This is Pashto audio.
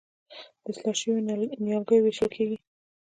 د اصلاح شویو نیالګیو ویشل کیږي.